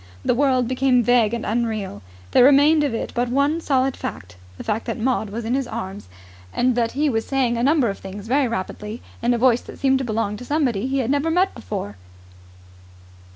The world became vague and unreal. There remained of it but one solid fact the fact that Maud was in his arms and that he was saying a number of things very rapidly in a voice that seemed to belong to somebody he had never met before.